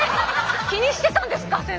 気にしてたんですか先生！